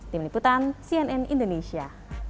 tim liputan cnn indonesia